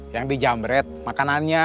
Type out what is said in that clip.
yang dijamret makanannya